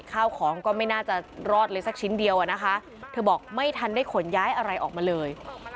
ข้าวของก็ไม่น่าจะรอดเลยสักชิ้นเดียวอะนะคะเธอบอกไม่ทันได้ขนย้ายอะไรออกมาเลย